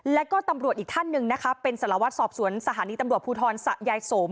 แล้วก็ตำรวจอีกท่านหนึ่งนะคะเป็นสารวัตรสอบสวนสถานีตำรวจภูทรสะยายสม